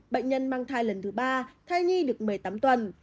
bệnh nhân mang thai lần thứ ba thai nhi được một mươi tám tuần